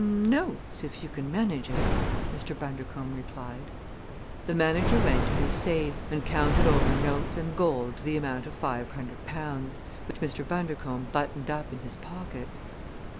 "Notes, if you can manage it," Mr. Bundercombe replied. The manager went to his safe and counted over notes and gold to the amount of five hundred pounds, which Mr. Bundercombe buttoned up in his pockets.